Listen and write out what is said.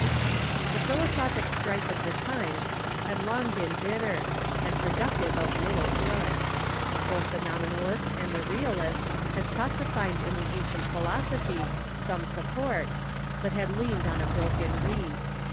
The philosophic strife of the times had long been bitter, and productive of little good. Both the Nominalist and the Realist had sought to find in the ancient philosophy some Decline of support, but had leaned on a broken reed.